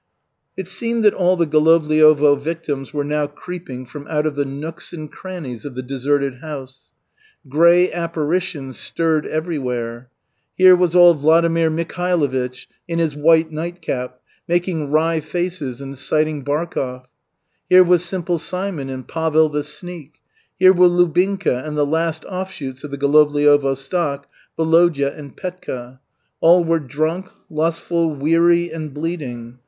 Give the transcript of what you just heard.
It seemed that all the Golovliovo victims were now creeping from out of the nooks and crannies of the deserted house. Gray apparitions stirred everywhere. Here was old Vladimir Mikhailovich, in his white nightcap, making wry faces and citing Barkov; here was Simple Simon and Pavel the Sneak; here were Lubinka and the last offshoots of the Golovliovo stock, Volodya and Petka. All were drunk, lustful, weary and bleeding.